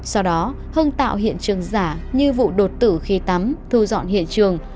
sau đó hưng tạo hiện trường giả như vụ đột tử khi tắm thu dọn hiện trường